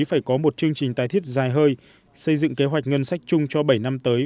phải có một chương trình tài thiết dài hơi xây dựng kế hoạch ngân sách chung cho bảy năm tới